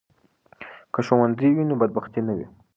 که ښوونځی وي نو بدبختي نه وي.